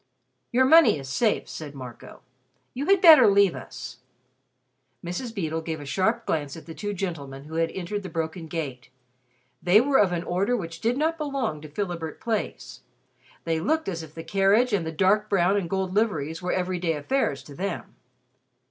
"Your money is safe," said Marco. "You had better leave us." Mrs. Beedle gave a sharp glance at the two gentlemen who had entered the broken gate. They were of an order which did not belong to Philibert Place. They looked as if the carriage and the dark brown and gold liveries were every day affairs to them.